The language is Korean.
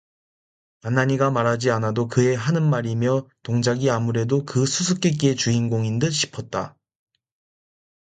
간난이가 말하지 않아도 그의 하는 말이며 동작이 아무래도 그 수수께끼의 주인공인 듯싶었다.